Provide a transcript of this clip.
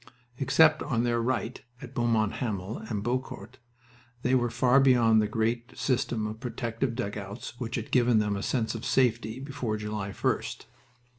Except on their right, at Beaumont Hamel and Beaucourt, they were far beyond the great system of protective dugouts which had given them a sense of safety before July 1st.